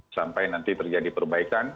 sampai nanti terjadi perbaikan